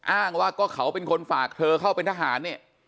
อ้างว่าก็เขาเป็นคนฝากเธอเข้าเป็นทหารเนี่ย